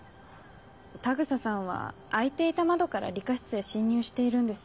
田草さんは開いていた窓から理科室へ侵入しているんです。